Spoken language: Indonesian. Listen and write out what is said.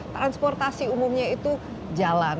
transportasi umumnya itu jalan